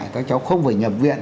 các cháu không phải nhập viện